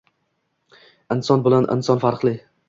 Inson bilan inson farqli